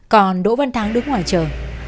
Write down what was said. còn đỗ văn thắng đứng ngoài chờ